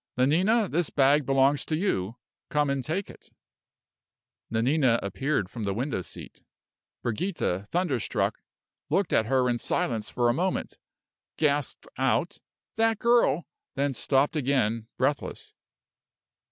Nanina, this bag belongs to you come and take it." Nanina appeared from the window seat. Brigida, thunderstruck, looked at her in silence for a moment; gasped out, "That girl!" then stopped again, breathless.